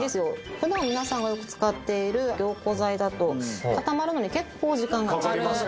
普段皆さんがよく使っている凝固剤だと固まるのに結構時間がかかりますね